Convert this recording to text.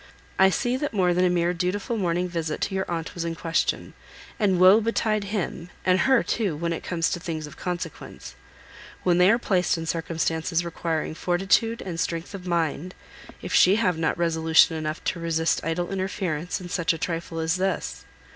I see that more than a mere dutiful morning visit to your aunt was in question; and woe betide him, and her too, when it comes to things of consequence, when they are placed in circumstances requiring fortitude and strength of mind, if she have not resolution enough to resist idle interference in such a trifle as this.